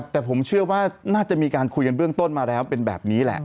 แต่ผมเชื่อว่าน่าจะมีการคุยกันเบื้องต้นมาแล้วเป็นแบบนี้แหละ